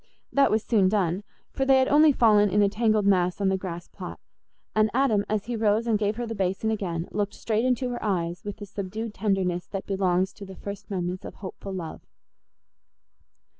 That was soon done, for they had only fallen in a tangled mass on the grass plot, and Adam, as he rose and gave her the basin again, looked straight into her eyes with the subdued tenderness that belongs to the first moments of hopeful love.